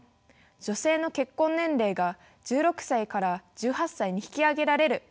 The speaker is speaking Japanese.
女性の結婚年齢が１６歳から１８歳に引き上げられる。